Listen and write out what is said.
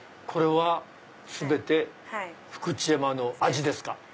これは全て福知山の味ですか？